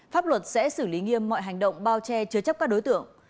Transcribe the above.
pháp luật sẽ xử lý nghiêm mọi hành động bao che chứa chấp các đối tượng